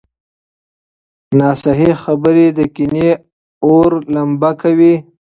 ناصحيح خبرې د کینې اور لمبه کوي.